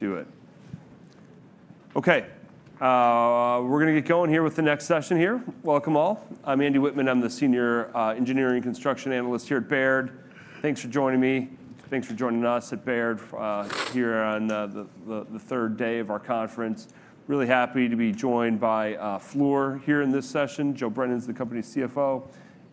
Do it. Okay. We're going to get going here with the next session here. Welcome all. I'm Andrew Whitman. I'm the Senior Engineering and Construction Analyst here at Baird. Thanks for joining me. Thanks for joining us at Baird here on the third day of our conference. Really happy to be joined by Fluor here in this session. Joe Brennan is the company's CFO.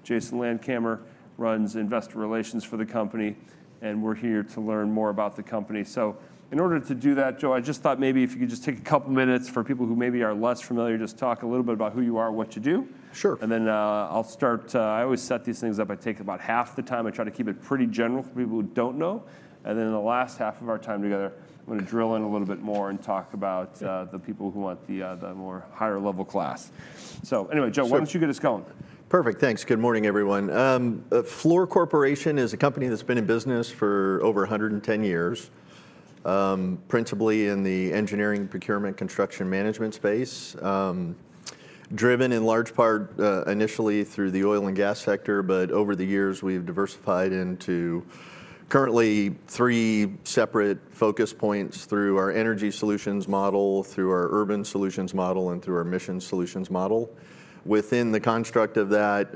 Jason Landkamer runs investor relations for the company, and we're here to learn more about the company, so in order to do that, Joe, I just thought maybe if you could just take a couple of minutes for people who maybe are less familiar, just talk a little bit about who you are and what you do. Sure. And then I'll start. I always set these things up. I take about half the time. I try to keep it pretty general for people who don't know. And then in the last half of our time together, I'm going to drill in a little bit more and talk about the people who want the more higher-level class. So anyway, Joe, why don't you get us going? Perfect. Thanks. Good morning, everyone. Fluor Corporation is a company that's been in business for over 110 years, principally in the engineering, procurement, construction management space, driven in large part initially through the oil and gas sector. But over the years, we've diversified into currently three separate focus points through our Energy Solutions model, through our Urban Solutions model, and through our Mission Solutions model. Within the construct of that,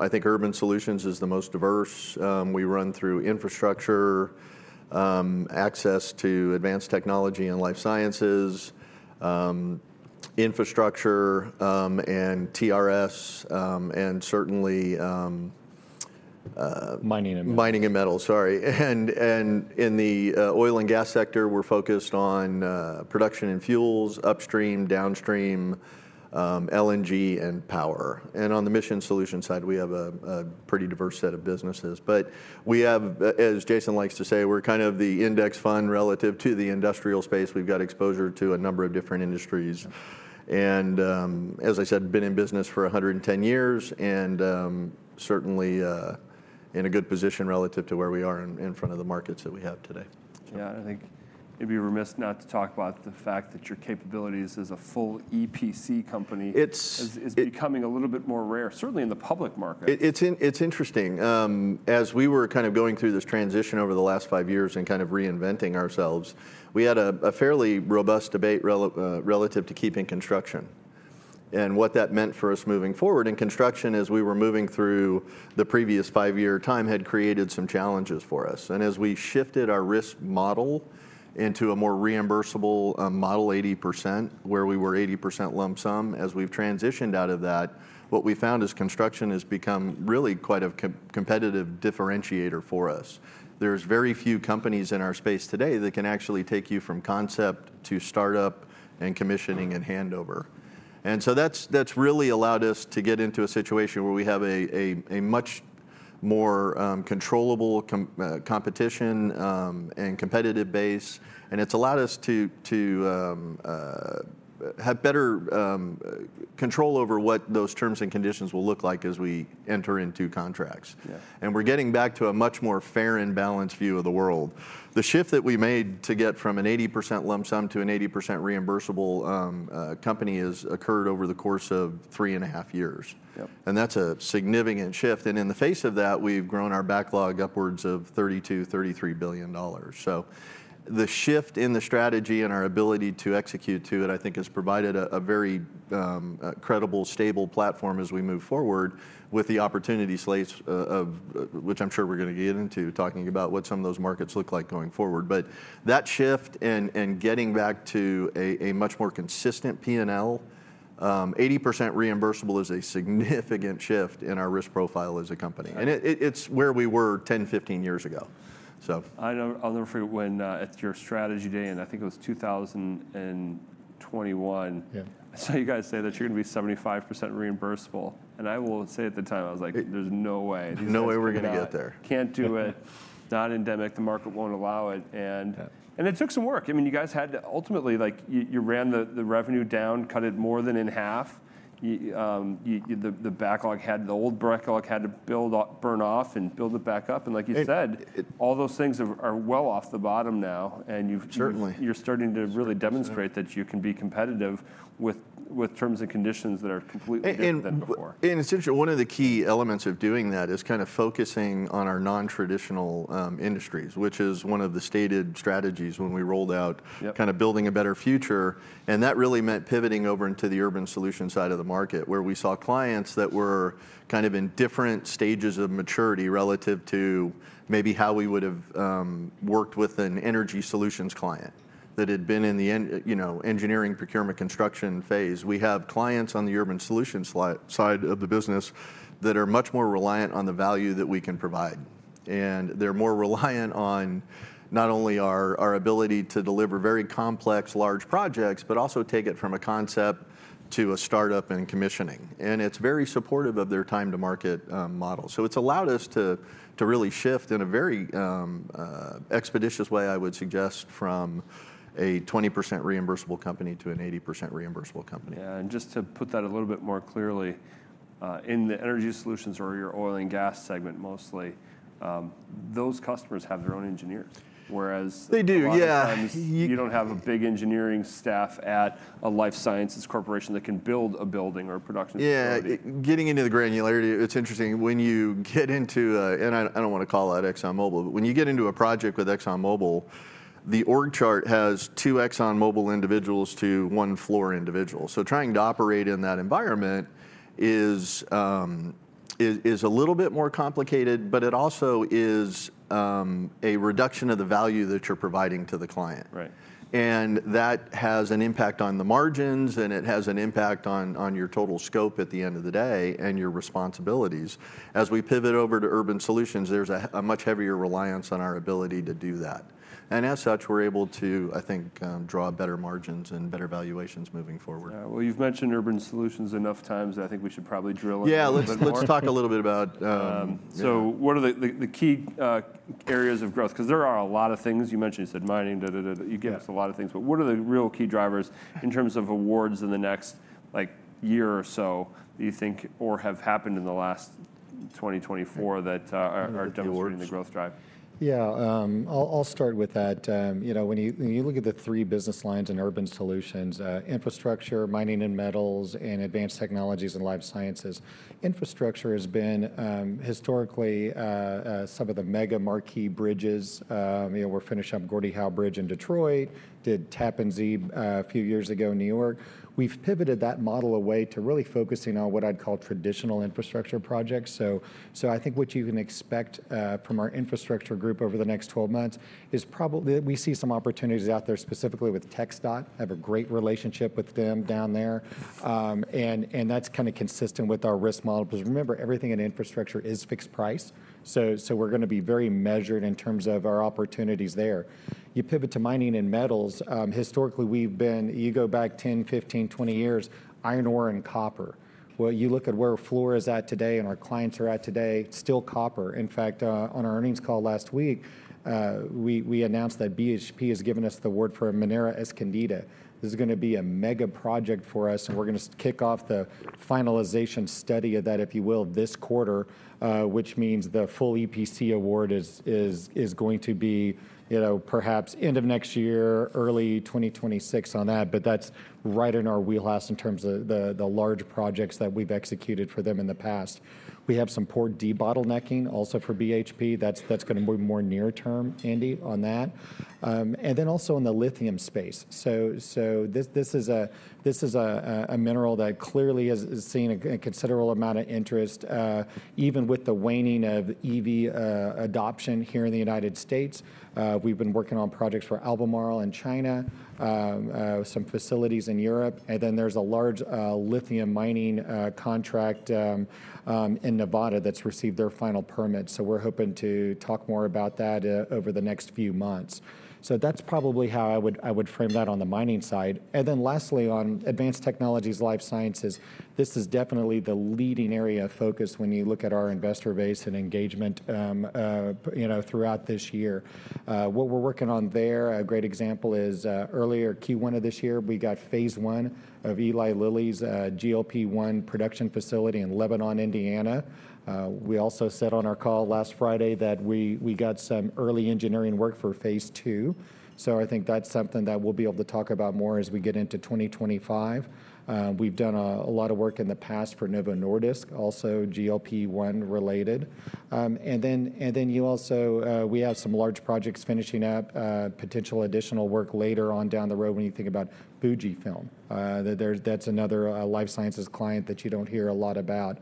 I think Urban Solutions is the most diverse. We run through Infrastructure, access to Advanced Technology and Life Sciences, Infrastructure, and TRS, and certainly. Mining and Metals. Mining and Metal, sorry, and in the oil and gas sector, we're focused on Production and Fuels, upstream, downstream, LNG, and power, and on the Mission Solution side, we have a pretty diverse set of businesses, but we have, as Jason likes to say, we're kind of the index fund relative to the industrial space. We've got exposure to a number of different industries, and as I said, been in business for 110 years and certainly in a good position relative to where we are in front of the markets that we have today. Yeah. I think it'd be remiss not to talk about the fact that your capabilities as a full EPC company is becoming a little bit more rare, certainly in the public market. It's interesting. As we were kind of going through this transition over the last five years and kind of reinventing ourselves, we had a fairly robust debate relative to keeping construction and what that meant for us moving forward. And construction, as we were moving through the previous five-year time, had created some challenges for us. And as we shifted our risk model into a more reimbursable model, 80%, where we were 80% lump sum, as we've transitioned out of that, what we found is construction has become really quite a competitive differentiator for us. There's very few companies in our space today that can actually take you from concept to startup and commissioning and handover. And so that's really allowed us to get into a situation where we have a much more controllable competition and competitive base. And it's allowed us to have better control over what those terms and conditions will look like as we enter into contracts. And we're getting back to a much more fair and balanced view of the world. The shift that we made to get from an 80% lump sum to an 80% reimbursable company has occurred over the course of three and a half years. And that's a significant shift. And in the face of that, we've grown our backlog upwards of $32-$33 billion. So the shift in the strategy and our ability to execute to it, I think, has provided a very credible, stable platform as we move forward with the opportunities ahead, which I'm sure we're going to get into talking about what some of those markets look like going forward. But that shift and getting back to a much more consistent P&L, 80% reimbursable is a significant shift in our risk profile as a company. And it's where we were 10, 15 years ago. I'll never forget when at your strategy day, and I think it was 2021, I saw you guys say that you're going to be 75% reimbursable. And I will say at the time, I was like, there's no way. No way we're going to get there. Can't do it. It's not endemic. The market won't allow it. And it took some work. I mean, you guys had to ultimately, you ran the revenue down, cut it more than in half. The old backlog had to burn off and build it back up. And like you said, all those things are well off the bottom now. And you're starting to really demonstrate that you can be competitive with terms and conditions that are completely different than before. And essentially, one of the key elements of doing that is kind of focusing on our nontraditional industries, which is one of the stated strategies when we rolled out kind of Building a Better Future. And that really meant pivoting over into the urban solution side of the market, where we saw clients that were kind of in different stages of maturity relative to maybe how we would have worked with an Energy Solutions client that had been in the engineering, procurement, construction phase. We have clients on the urban solution side of the business that are much more reliant on the value that we can provide. And they're more reliant on not only our ability to deliver very complex, large projects, but also take it from a concept to a startup and commissioning. And it's very supportive of their time-to-market model. So it's allowed us to really shift in a very expeditious way, I would suggest, from a 20% reimbursable company to an 80% reimbursable company. Yeah. And just to put that a little bit more clearly, in the Energy Solutions or your oil and gas segment mostly, those customers have their own engineers, whereas. They do, yeah. You don't have a big engineering staff at a life sciences corporation that can build a building or a production facility. Yeah. Getting into the granularity, it's interesting. When you get into a, and I don't want to call out ExxonMobil, but when you get into a project with ExxonMobil, the org chart has two ExxonMobil individuals to one Fluor individual. So trying to operate in that environment is a little bit more complicated, but it also is a reduction of the value that you're providing to the client. And that has an impact on the margins, and it has an impact on your total scope at the end of the day and your responsibilities. As we pivot over to Urban Solutions, there's a much heavier reliance on our ability to do that. And as such, we're able to, I think, draw better margins and better valuations moving forward. You've mentioned Urban Solutions enough times that I think we should probably drill in a little bit more. Yeah. Let's talk a little bit about so what are the key areas of growth? Because there are a lot of things. You mentioned you said mining, you gave us a lot of things. But what are the real key drivers in terms of awards in the next year or so that you think or have happened in the last 2024 that are demonstrating the growth drive? Yeah. I'll start with that. When you look at the three business lines in Urban Solutions, infrastructure, Mining and Metals, and Advanced Technologies and Life Sciences, infrastructure has been historically some of the mega marquee bridges. We've finished up Gordie Howe Bridge in Detroit, did Tappan Zee a few years ago in New York. We've pivoted that model away to really focusing on what I'd call traditional infrastructure projects. So I think what you can expect from our infrastructure group over the next 12 months is probably that we see some opportunities out there specifically with TxDOT. I have a great relationship with them down there. And that's kind of consistent with our risk model. Because remember, everything in infrastructure is fixed price. So we're going to be very measured in terms of our opportunities there. You pivot to Mining and Metals. Historically, we've been, you go back 10, 15, 20 years, iron ore, and copper. Well, you look at where Fluor is at today and our clients are at today, still copper. In fact, on our earnings call last week, we announced that BHP has given us the award for Minera Escondida. This is going to be a mega project for us. And we're going to kick off the finalization study of that, if you will, this quarter, which means the full EPC award is going to be perhaps end of next year, early 2026 on that. But that's right in our wheelhouse in terms of the large projects that we've executed for them in the past. We have some more debottlenecking also for BHP. That's going to be more near-term, Andrew, on that. And then also in the lithium space. So this is a mineral that clearly has seen a considerable amount of interest, even with the waning of EV adoption here in the United States. We've been working on projects for Albemarle in China, some facilities in Europe. And then there's a large lithium mining contract in Nevada that's received their final permit. So we're hoping to talk more about that over the next few months. So that's probably how I would frame that on the mining side. And then lastly, on Advanced Technologies, life sciences, this is definitely the leading area of focus when you look at our investor base and engagement throughout this year. What we're working on there, a great example is earlier, Q1 of this year, we got phase one of Eli Lilly's GLP-1 production facility in Lebanon, Indiana. We also said on our call last Friday that we got some early engineering work for phase two. So I think that's something that we'll be able to talk about more as we get into 2025. We've done a lot of work in the past for Novo Nordisk, also GLP-1 related. And then you also, we have some large projects finishing up, potential additional work later on down the road when you think about Fujifilm. That's another life sciences client that you don't hear a lot about.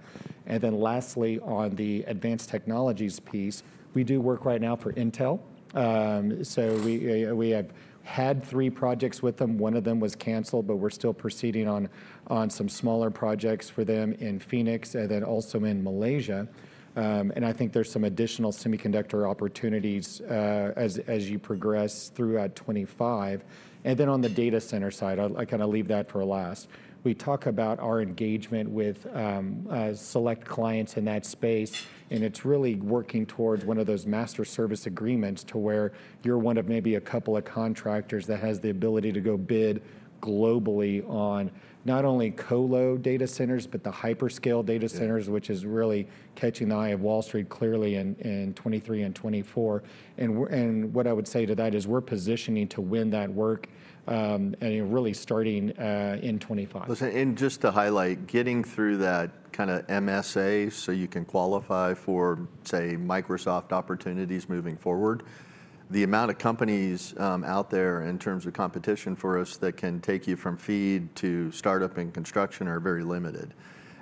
And then lastly, on the Advanced Technologies piece, we do work right now for Intel. So we have had three projects with them. One of them was canceled, but we're still proceeding on some smaller projects for them in Phoenix and then also in Malaysia. And I think there's some additional semiconductor opportunities as you progress throughout 2025. And then on the data center side, I kind of leave that for last. We talk about our engagement with select clients in that space. And it's really working towards one of those master service agreements to where you're one of maybe a couple of contractors that has the ability to go bid globally on not only colo data centers, but the hyperscale data centers, which is really catching the eye of Wall Street clearly in 2023 and 2024. And what I would say to that is we're positioning to win that work and really starting in 2025. Listen, and just to highlight, getting through that kind of MSA so you can qualify for, say, Microsoft opportunities moving forward, the amount of companies out there in terms of competition for us that can take you from FEED to startup and construction are very limited.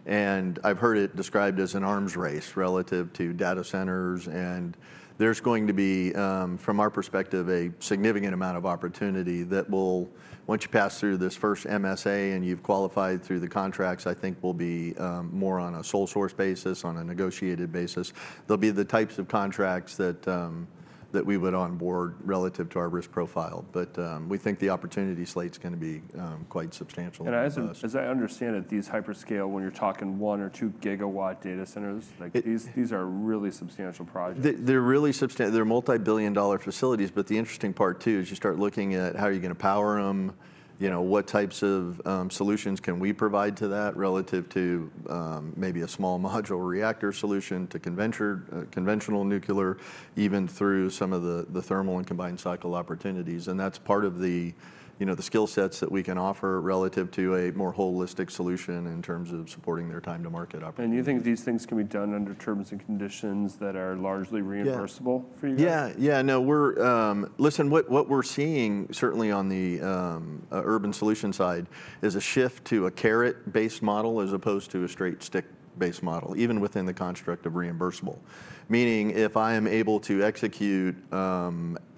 And I've heard it described as an arms race relative to data centers. And there's going to be, from our perspective, a significant amount of opportunity that will, once you pass through this first MSA and you've qualified through the contracts, I think will be more on a sole source basis, on a negotiated basis. There'll be the types of contracts that we would onboard relative to our risk profile. But we think the opportunity slate is going to be quite substantial. As I understand it, these hyperscale, when you're talking one or two gigawatt data centers, these are really substantial projects. They're really substantial. They're multi-billion-dollar facilities. But the interesting part, too, is you start looking at how you're going to power them, what types of solutions can we provide to that relative to maybe a small modular reactor solution to conventional nuclear, even through some of the thermal and combined cycle opportunities. And that's part of the skill sets that we can offer relative to a more holistic solution in terms of supporting their time-to-market opportunity. And you think these things can be done under terms and conditions that are largely reimbursable for you guys? Yeah, yeah. Now, listen, what we're seeing certainly on the Urban Solutions side is a shift to a carrot-based model as opposed to a straight stick-based model, even within the construct of reimbursable. Meaning, if I am able to execute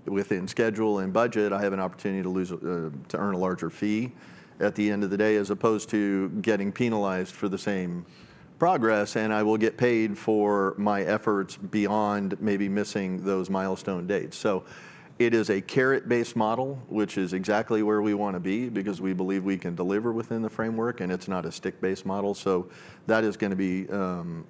within schedule and budget, I have an opportunity to earn a larger fee at the end of the day as opposed to getting penalized for the same progress, and I will get paid for my efforts beyond maybe missing those milestone dates. So it is a carrot-based model, which is exactly where we want to be because we believe we can deliver within the framework, and it's not a stick-based model. So that is going to be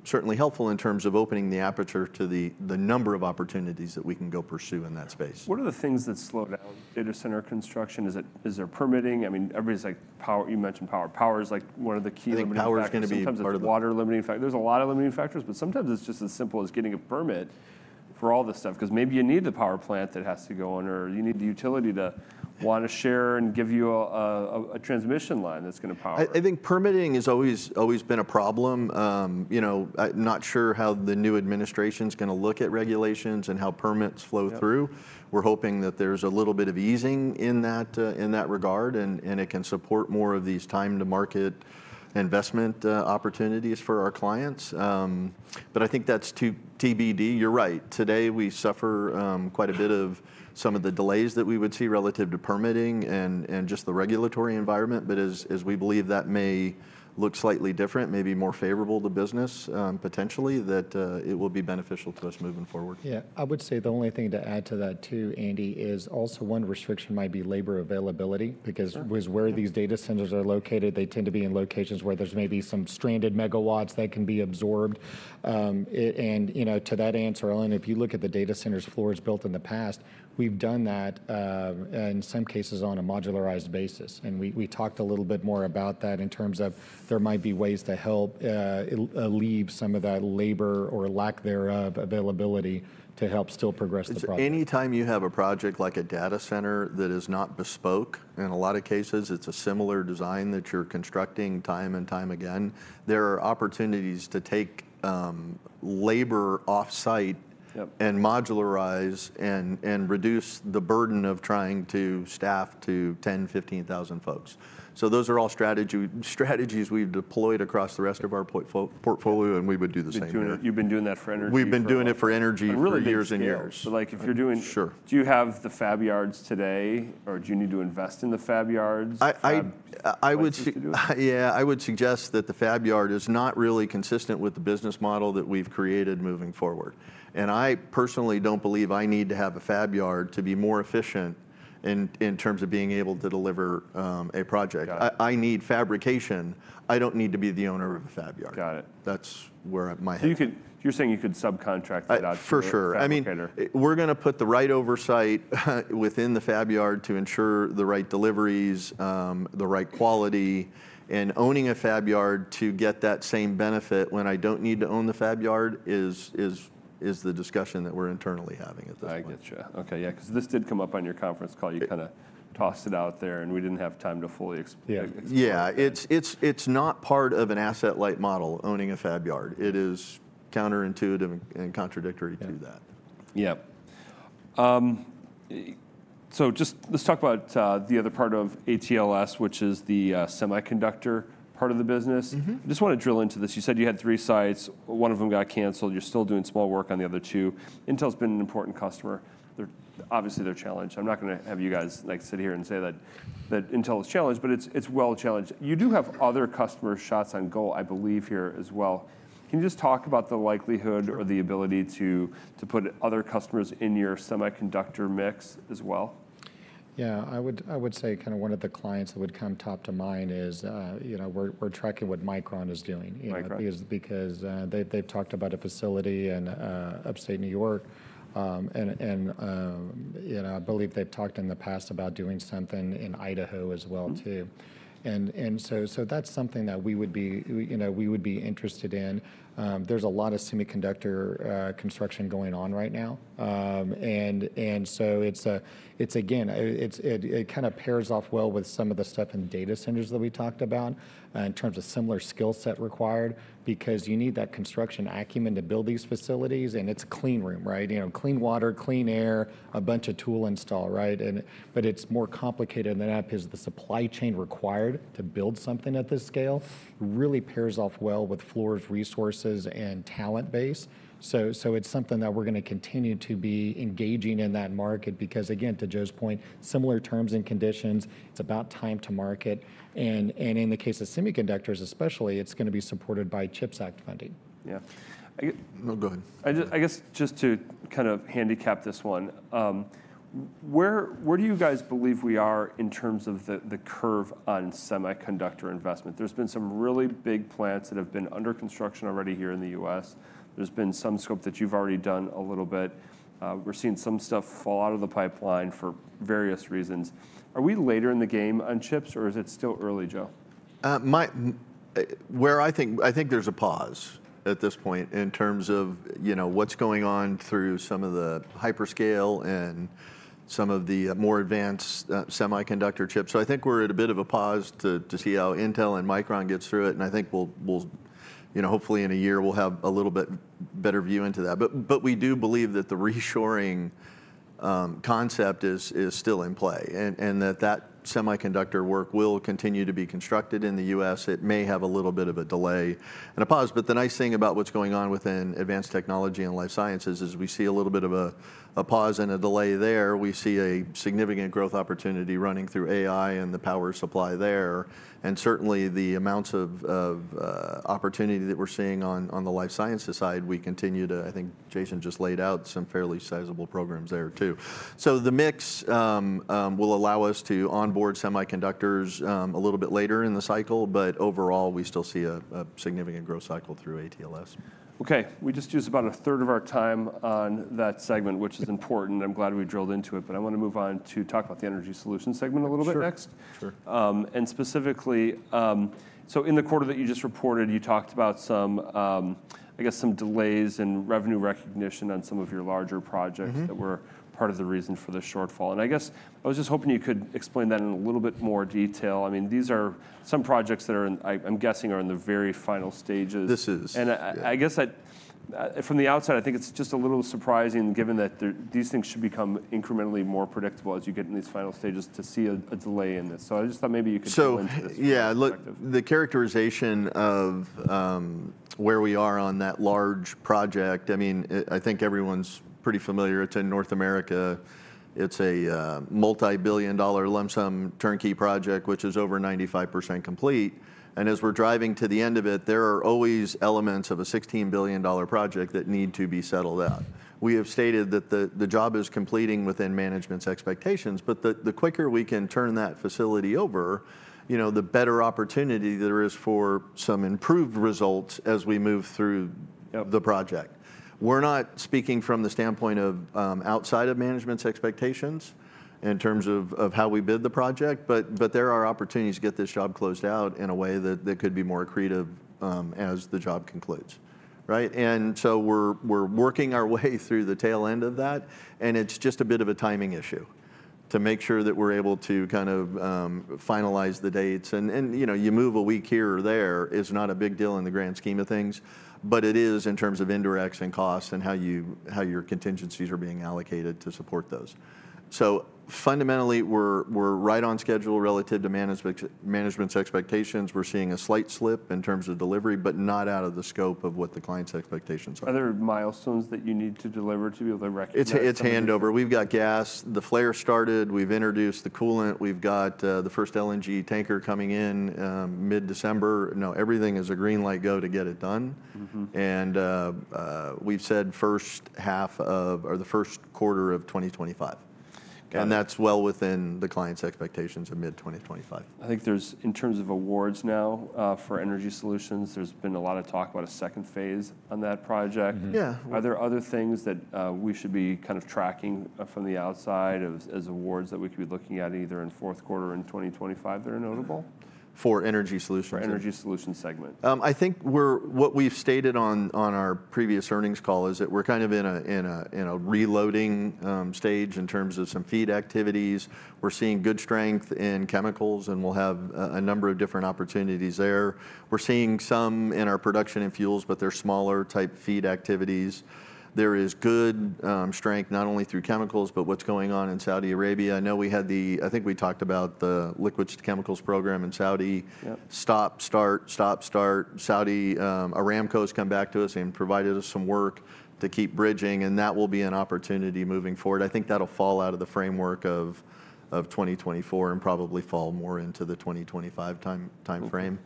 certainly helpful in terms of opening the aperture to the number of opportunities that we can go pursue in that space. What are the things that slow down data center construction? Is there permitting? I mean, everybody's like, you mentioned power. Power is like one of the key limiting factors. Power is going to be part of that. Water limiting factor. There's a lot of limiting factors, but sometimes it's just as simple as getting a permit for all this stuff. Because maybe you need the power plant that has to go under, or you need the utility to want to share and give you a transmission line that's going to power. I think permitting has always been a problem. I'm not sure how the new administration is going to look at regulations and how permits flow through. We're hoping that there's a little bit of easing in that regard and it can support more of these time-to-market investment opportunities for our clients, but I think that's too TBD. You're right. Today, we suffer quite a bit of some of the delays that we would see relative to permitting and just the regulatory environment, but as we believe that may look slightly different, maybe more favorable to business potentially, that it will be beneficial to us moving forward. Yeah. I would say the only thing to add to that too, Andrew, is also one restriction might be labor availability. Because where these data centers are located, they tend to be in locations where there's maybe some stranded megawatts that can be absorbed. And to that answer, Ellen, if you look at the data centers Fluor has built in the past, we've done that in some cases on a modularized basis. And we talked a little bit more about that in terms of there might be ways to help alleviate some of that labor or lack thereof availability to help still progress the project. Because anytime you have a project like a data center that is not bespoke, in a lot of cases, it's a similar design that you're constructing time and time again, there are opportunities to take labor off-site and modularize and reduce the burden of trying to staff to 10,000, 15,000 folks. So those are all strategies we've deployed across the rest of our portfolio, and we would do the same here. You've been doing that for energy. We've been doing it for energy for years and years. But if you're doing, do you have the fab yards today, or do you need to invest in the fab yards? I would suggest that the fab yard is not really consistent with the business model that we've created moving forward, and I personally don't believe I need to have a fab yard to be more efficient in terms of being able to deliver a project. I need fabrication. I don't need to be the owner of a fab yard. Got it. That's where my head is. You're saying you could subcontract that out to a fab container. For sure. I mean, we're going to put the right oversight within the fab yard to ensure the right deliveries, the right quality, and owning a fab yard to get that same benefit when I don't need to own the fab yard is the discussion that we're internally having at this point. I get you. Okay. Yeah. Because this did come up on your conference call. You kind of tossed it out there, and we didn't have time to fully explain. Yeah. It's not part of an asset-light model owning a fab yard. It is counterintuitive and contradictory to that. Yeah. So just let's talk about the other part of ATLS, which is the semiconductor part of the business. I just want to drill into this. You said you had three sites. One of them got canceled. You're still doing small work on the other two. Intel's been an important customer. Obviously, they're challenged. I'm not going to have you guys sit here and say that Intel is challenged, but it's well challenged. You do have other customers' shots on goal, I believe, here as well. Can you just talk about the likelihood or the ability to put other customers in your semiconductor mix as well? Yeah. I would say kind of one of the clients that would come top to mind is we're tracking what Micron is doing. Because they've talked about a facility in upstate New York. And I believe they've talked in the past about doing something in Idaho as well, too. And so that's something that we would be interested in. There's a lot of semiconductor construction going on right now. And so it's, again, it kind of pairs off well with some of the stuff in data centers that we talked about in terms of similar skill set required. Because you need that construction acumen to build these facilities. And it's clean room, right? Clean water, clean air, a bunch of tool install, right? But it's more complicated than that because the supply chain required to build something at this scale really pairs off well with Fluor's resources and talent base. So it's something that we're going to continue to be engaging in that market. Because again, to Joe's point, similar terms and conditions, it's about time to market. In the case of semiconductors, especially, it's going to be supported by CHIPS Act funding. Yeah. No, go ahead. I guess just to kind of handicap this one, where do you guys believe we are in terms of the curve on semiconductor investment? There's been some really big plants that have been under construction already here in the U.S. There's been some scope that you've already done a little bit. We're seeing some stuff fall out of the pipeline for various reasons. Are we later in the game on chips, or is it still early, Joe? I think there's a pause at this point in terms of what's going on through some of the hyperscale and some of the more advanced semiconductor chips. So I think we're at a bit of a pause to see how Intel and Micron get through it. And I think hopefully in a year, we'll have a little bit better view into that. But we do believe that the reshoring concept is still in play and that that semiconductor work will continue to be constructed in the U.S. It may have a little bit of a delay and a pause. But the nice thing about what's going on within advanced technology and life sciences is we see a little bit of a pause and a delay there. We see a significant growth opportunity running through AI and the power supply there. And certainly, the amounts of opportunity that we're seeing on the life sciences side, we continue to, I think Jason just laid out some fairly sizable programs there, too. So the mix will allow us to onboard semiconductors a little bit later in the cycle. But overall, we still see a significant growth cycle through ATLS. Okay. We just used about a third of our time on that segment, which is important. I'm glad we drilled into it. But I want to move on to talk about the Energy Solutions segment a little bit next. And specifically, so in the quarter that you just reported, you talked about, I guess, some delays in revenue recognition on some of your larger projects that were part of the reason for the shortfall. And I guess I was just hoping you could explain that in a little bit more detail. I mean, these are some projects that I'm guessing are in the very final stages. This is. I guess from the outside, I think it's just a little surprising given that these things should become incrementally more predictable as you get in these final stages to see a delay in this. I just thought maybe you could go into this. Yeah. The characterization of where we are on that large project, I mean, I think everyone's pretty familiar. It's in North America. It's a multi-billion-dollar lump sum turnkey project, which is over 95% complete. And as we're driving to the end of it, there are always elements of a $16 billion project that need to be settled out. We have stated that the job is completing within management's expectations. But the quicker we can turn that facility over, the better opportunity there is for some improved results as we move through the project. We're not speaking from the standpoint of outside of management's expectations in terms of how we bid the project. But there are opportunities to get this job closed out in a way that could be more creative as the job concludes. And so we're working our way through the tail end of that. It's just a bit of a timing issue to make sure that we're able to kind of finalize the dates. You move a week here or there is not a big deal in the grand scheme of things. It is in terms of indirects and costs and how your contingencies are being allocated to support those. Fundamentally, we're right on schedule relative to management's expectations. We're seeing a slight slip in terms of delivery, but not out of the scope of what the client's expectations are. Are there milestones that you need to deliver to be able to recognize? It's handover. We've got gas. The flare started. We've introduced the coolant. We've got the first LNG tanker coming in mid-December. No, everything is a green light go to get it done. And we've said first half of or the first quarter of 2025. And that's well within the client's expectations of mid-2025. I think in terms of awards now for Energy Solutions, there's been a lot of talk about a second phase on that project. Are there other things that we should be kind of tracking from the outside as awards that we could be looking at either in fourth quarter in 2025 that are notable? For Energy Solutions. Energy Solutions segment. I think what we've stated on our previous earnings call is that we're kind of in a reloading stage in terms of some FEED activities. We're seeing good strength in chemicals, and we'll have a number of different opportunities there. We're seeing some in our Production and Fuels, but they're smaller type FEED activities. There is good strength not only through chemicals, but what's going on in Saudi Arabia. I know we had the, I think we talked about the Liquids-to-Chemicals program in Saudi. Aramco's come back to us and provided us some work to keep bridging. And that will be an opportunity moving forward. I think that'll fall out of the framework of 2024 and probably fall more into the 2025 time frame.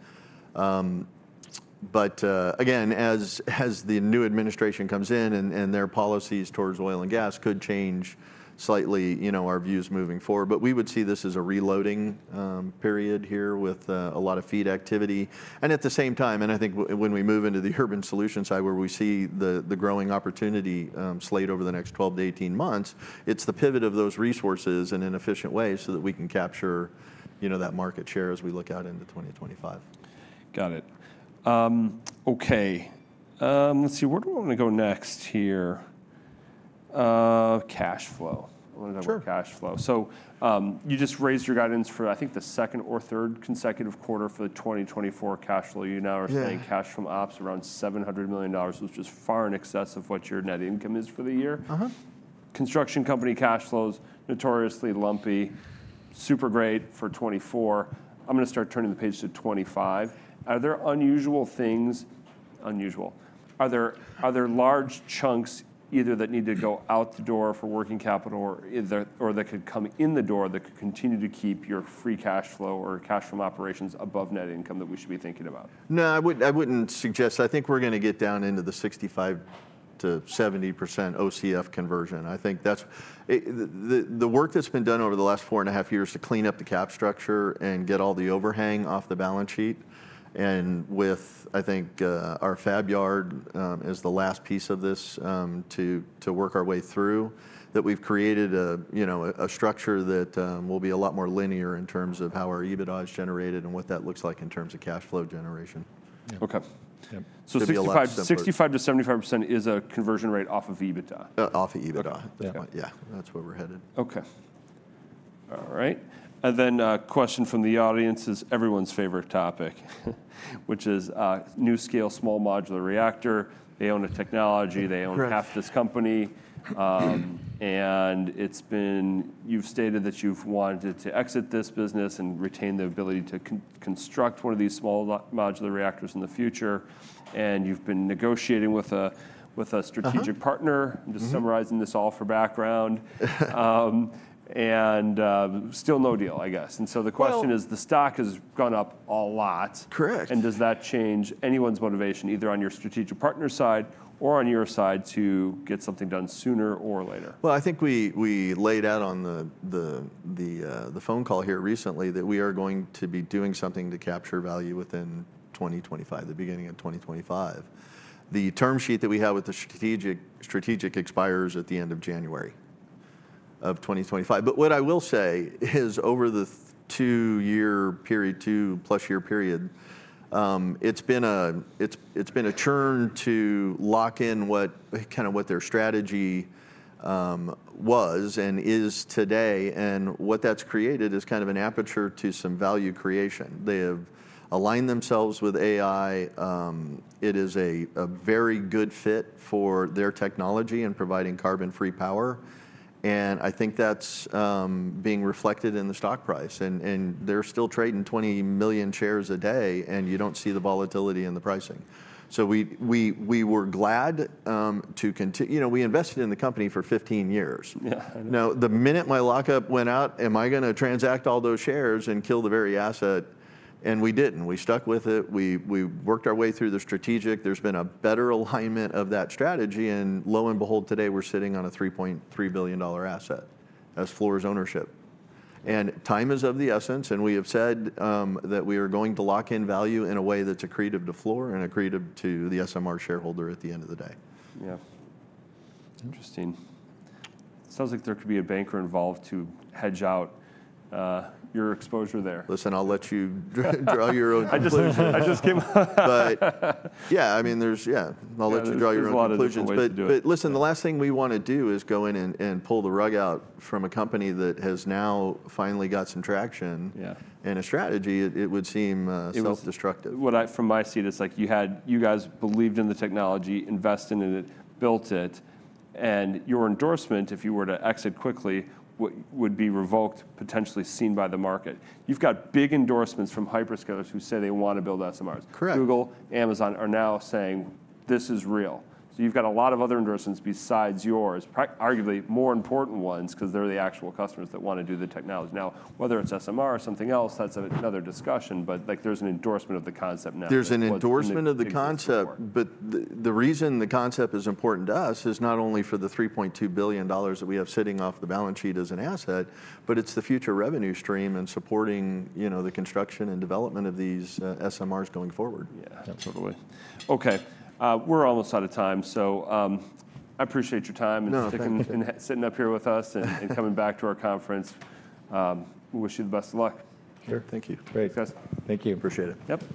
But again, as the new administration comes in and their policies towards oil and gas could change slightly, our views moving forward. But we would see this as a reloading period here with a lot of FEED activity. And at the same time, and I think when we move into the Energy Solutions side where we see the growing opportunity slate over the next 12 to 18 months, it is the pivot of those resources in an efficient way so that we can capture that market share as we look out into 2025. Got it. Okay. Let's see. Where do we want to go next here? Cash flow. I want to talk about cash flow. So you just raised your guidance for, I think, the second or third consecutive quarter for the 2024 cash flow. You now are saying cash from ops around $700 million, which is far in excess of what your net income is for the year. Construction company cash flows, notoriously lumpy, super great for 2024. I'm going to start turning the page to 2025. Are there unusual things? Unusual. Are there large chunks either that need to go out the door for working capital or that could come in the door that could continue to keep your free cash flow or cash from operations above net income that we should be thinking about? No, I wouldn't suggest. I think we're going to get down into the 65%-70% OCF conversion. I think the work that's been done over the last four and a half years to clean up the cap structure and get all the overhang off the balance sheet, and with, I think, our fab yard as the last piece of this to work our way through, that we've created a structure that will be a lot more linear in terms of how our EBITDA is generated and what that looks like in terms of cash flow generation. Okay, so 65% to 75% is a conversion rate off of EBITDA. Off of EBITDA. Yeah. That's where we're headed. Okay. All right. And then a question from the audience is everyone's favorite topic, which is NuScale small modular reactor. They own a technology. They own half this company. And you've stated that you've wanted to exit this business and retain the ability to construct one of these small modular reactors in the future. And you've been negotiating with a strategic partner, just summarizing this all for background. And still no deal, I guess. And so the question is, the stock has gone up a lot. And does that change anyone's motivation either on your strategic partner's side or on your side to get something done sooner or later? I think we laid out on the phone call here recently that we are going to be doing something to capture value within 2025, the beginning of 2025. The term sheet that we have with the strategic expires at the end of January of 2025. But what I will say is over the two-year period, two-plus year period, it's been a journey to lock in kind of what their strategy was and is today. And what that's created is kind of an aperture to some value creation. They have aligned themselves with AI. It is a very good fit for their technology and providing carbon-free power. And I think that's being reflected in the stock price. And they're still trading 20 million shares a day, and you don't see the volatility in the pricing. So we were glad to continue. We invested in the company for 15 years. Now, the minute my lockup went out, am I going to transact all those shares and kill the very asset? And we didn't. We stuck with it. We worked our way through the strategic. There's been a better alignment of that strategy. And lo and behold, today we're sitting on a $3.3 billion asset as Fluor's ownership. And time is of the essence. And we have said that we are going to lock in value in a way that's accretive to Fluor and accretive to the SMR shareholder at the end of the day. Yeah. Interesting. Sounds like there could be a banker involved to hedge out your exposure there. Listen, I'll let you draw your own conclusions. I just. But yeah, I mean, yeah, I'll let you draw your own conclusions. But listen, the last thing we want to do is go in and pull the rug out from a company that has now finally got some traction and a strategy. It would seem self-destructive. From my seat, it's like you guys believed in the technology, invested in it, built it, and your endorsement, if you were to exit quickly, would be revoked, potentially seen by the market. You've got big endorsements from hyperscalers who say they want to build SMRs. Google, Amazon are now saying, "This is real," so you've got a lot of other endorsements besides yours, arguably more important ones because they're the actual customers that want to do the technology. Now, whether it's SMR or something else, that's another discussion, but there's an endorsement of the concept now. There's an endorsement of the concept. But the reason the concept is important to us is not only for the $3.2 billion that we have sitting off the balance sheet as an asset, but it's the future revenue stream and supporting the construction and development of these SMRs going forward. Yeah, absolutely. Okay. We're almost out of time. So I appreciate your time and sitting up here with us and coming back to our conference. We wish you the best of luck. Sure. Thank you. Great. Thank you. Appreciate it. Yep.